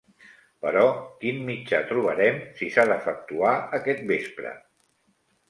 Però, quin mitjà trobarem, si s'ha d'efectuar aquest vespre?